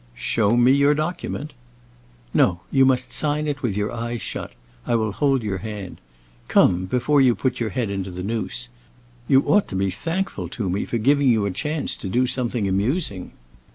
"Show me your document." "No, you must sign with your eyes shut; I will hold your hand. Come, before you put your head into the noose. You ought to be thankful to me for giving you a chance to do something amusing."